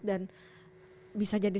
dan bisa jadi